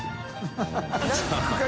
ハハハ